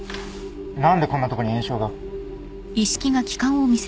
何でこんなとこに炎症が。